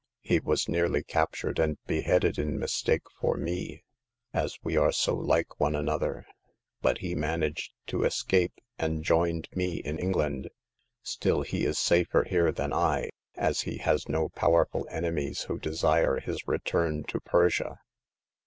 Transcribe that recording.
He was nearly captured and beheaded in mistake for me, as we are so like one another ; but he managed to escape, and joined me in England. Still, he is safer here than I, as he has no power ful enemies who desire his return to Persia."